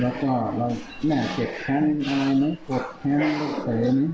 แล้วก็แม่เก็บแขนอะไรไหมโกรธแขนลูกเต๋น